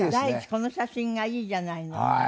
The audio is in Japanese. この写真がいいじゃないの。